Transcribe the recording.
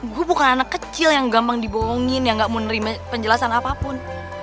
gue bukan anak kecil yang gampang dibohongin yang gak mau menerima penjelasan apapun